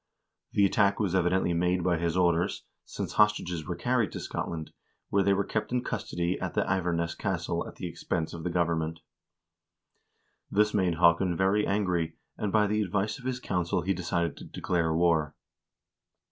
The attack was evidently made by his orders, since hostages were carried to Scotland, where they were kept in custody at the Iverness castle at the expense of the government.1 This made Haakon very angry, and by the advice of his council he decided to declare war.